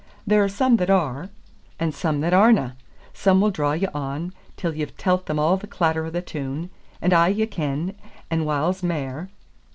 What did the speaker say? There are some that are, and some that arena. Some will draw ye on, till ye've tellt them a' the clatter of the toun, and a' ye ken, and whiles mair.